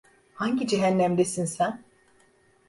Hangi cehennemdesin sen?